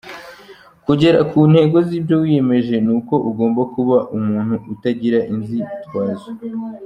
Kugera ku ntego z’ibyo wiyemeje ni uko ugomba kuba umuntu utagira inzitwazo.